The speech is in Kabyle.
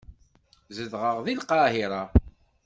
Zedɣeɣ deg Lqahira.